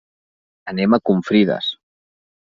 Anem a Confrides.